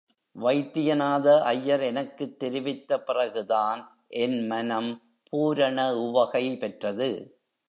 வைத்தியநாத ஐயர் எனக்குத் தெரிவித்த பிறகுதான், என் மனம் பூரண உவகை பெற்றது.